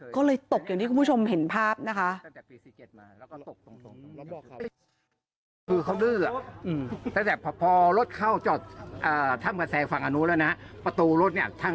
ก็เลยตกอย่างที่คุณผู้ชมเห็นภาพนะคะ